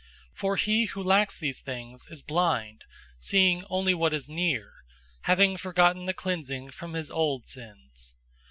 001:009 For he who lacks these things is blind, seeing only what is near, having forgotten the cleansing from his old sins.